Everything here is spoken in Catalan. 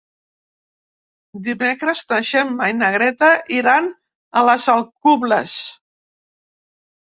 Dimecres na Gemma i na Greta iran a les Alcubles.